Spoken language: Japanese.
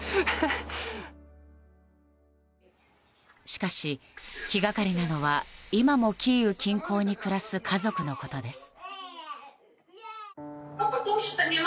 しかし、気がかりなのは今もキーウ近郊に暮らす家族のことです。